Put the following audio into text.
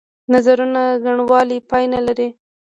نظرونو ګڼوالی پای نه لري.